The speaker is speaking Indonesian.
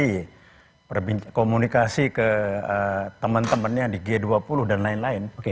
karena amerika oki komunikasi ke teman temannya di g dua puluh dan lain lain